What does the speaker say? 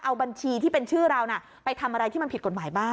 เอาบัญชีที่เป็นชื่อเราไปทำอะไรที่มันผิดกฎหมายบ้าง